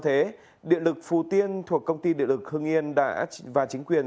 thế điện lực phù tiên thuộc công ty điện lực hưng yên và chính quyền